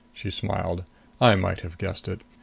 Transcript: She smiled. "I might have guessed it.